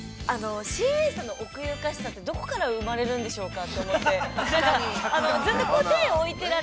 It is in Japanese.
◆ＣＡさんの奥ゆかしさって、どこから生まれるんでしょうかって思って。